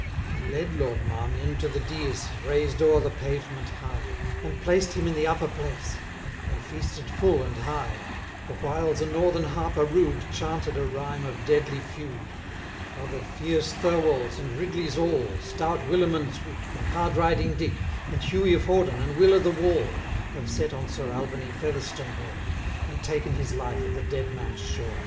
He led Lord Marmion to the deas, 195 Raised o'er the pavement high, And placed him in the upper place They feasted full and high; The whiles a Northern harper rude Chanted a rhyme of deadly feud, 200 'How the fierce Thirwalls, and Ridleys all, Stout Willimondswick, And Hardriding Dick, And Hughie of Hawdon, and Will o' the Wall, Have set on Sir Albany Featherstonhaugh, 205 And taken his life at the Deadman's shaw.'